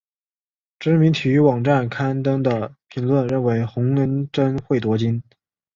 知名体育网站刊登的评论认为洪恩贞会夺金。